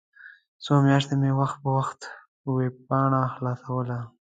څو میاشتې مې وخت په وخت ویبپاڼه خلاصوله.